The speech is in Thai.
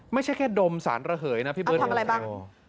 ไม่ใช่แค่ดมสารระเหยนะพี่เบิร์ตทำอะไรบ้าง